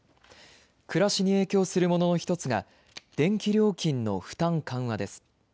暮らしに影響するものの一つが、電気料金の負担緩和です。